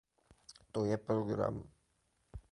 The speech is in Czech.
To je program.